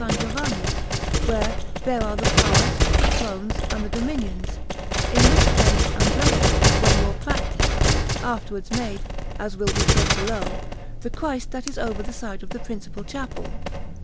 Giovanni, where there are the Powers, the Thrones, and the Dominions; in which place Andrea, when more practised, afterwards made, as will be said below, the Christ that is over the side of the principal chapel.